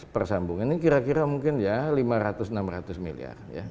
persambungan ini kira kira mungkin ya lima ratus enam ratus miliar